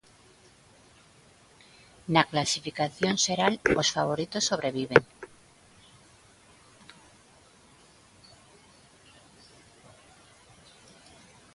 Na clasificación xeral, os favoritos sobreviven.